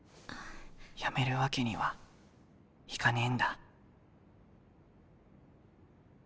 やめるわけにはいかねえんだ。